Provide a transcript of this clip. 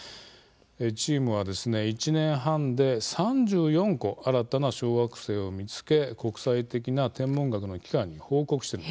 チームは１年半で３４個、新たな小惑星を見つけ国際的な天文学の機関に報告。